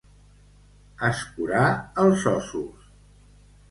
Escurar els ossos.